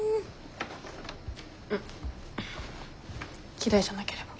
嫌いじゃなければ。